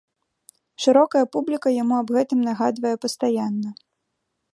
Шырокая публіка яму аб гэтым нагадвае пастаянна.